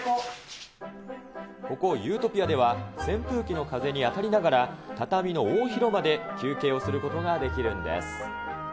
ここ、湯トピアでは扇風機の風に当たりながら、畳の大広間で休憩をすることができるんです。